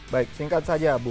baik singkat saja